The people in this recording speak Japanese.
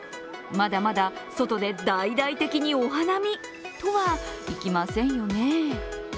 まだまだ外で大々的にお花見とはいきませんよね。